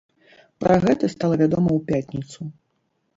Пра гэта стала вядома ў пятніцу.